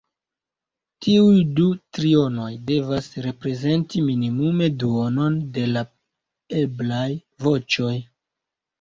Tiuj du trionoj devas reprezenti minimume duonon de la eblaj voĉoj.